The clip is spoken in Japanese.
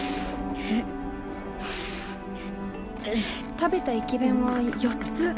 食べた駅弁は４つ。